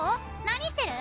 何してる？